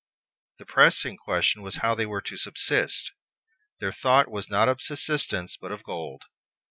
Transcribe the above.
The pressing question was how they were to subsist. Their thought was not of subsistence, but of gold.